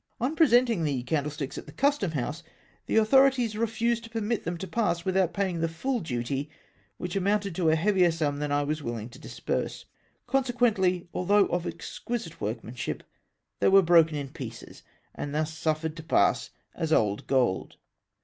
On presenting the candlesticks at the Custom house, the authorities re fused to permit them to pass without paying the full duty, which amounted to a heavier sum than I was will ing to disbm se. Consequently, although of exquisite workmanship, they were broken in pieces, and thus suffered to pass as old gold.